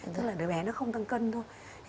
tức là đứa bé nó không tăng cân thôi